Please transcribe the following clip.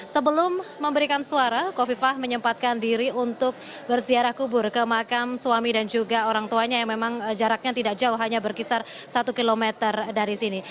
sebelum memberikan suara kofifah menyempatkan diri untuk berziarah kubur ke makam suami dan juga orang tuanya yang memang jaraknya tidak jauh hanya berkisar satu km dari sini